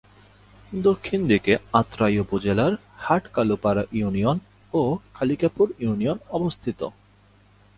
দক্ষিণ দিকে আত্রাই উপজেলার হাট-কালুপাড়া ইউনিয়ন ও কালিকাপুর ইউনিয়ন অবস্থিত।